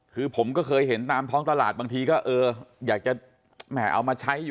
คือผมก็เคยเห็นตามท้องตลาดบางทีก็เอออยากจะเอามาใช้อยู่